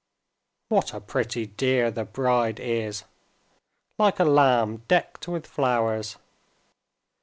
"What a pretty dear the bride is—like a lamb decked with flowers!